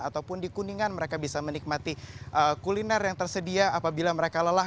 ataupun di kuningan mereka bisa menikmati kuliner yang tersedia apabila mereka lelah